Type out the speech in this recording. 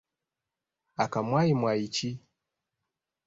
Aka Mwayi Mwayi ki?